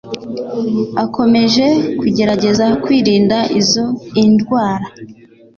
akomeje kugerageza kwirinda izo indwara